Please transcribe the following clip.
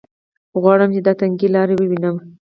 غواړم چې دا تنګې لارې ووینم.